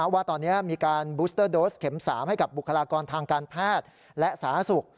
ว่าตอนนี้มีการบูสเตอร์โดสเข็ม๓ให้กับบุคลากรทางการแพทย์และสาธารณสุข